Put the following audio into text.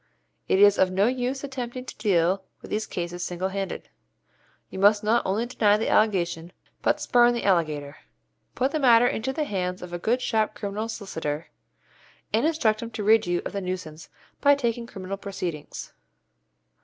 It is of no use attempting to deal with these cases single handed. You must not only deny the allegation, but 'spurn the allegator.' Put the matter into the hands of a good sharp criminal solicitor, and instruct him to rid you of the nuisance by taking criminal proceedings.